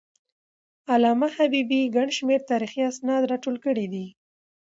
علامه حبيبي ګڼ شمېر تاریخي اسناد راټول کړي دي.